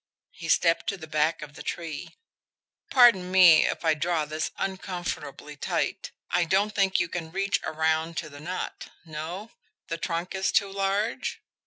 He stepped to the back of the tree. "Pardon me if I draw this uncomfortably tight. I don't think you can reach around to the knot. No? The trunk is too large?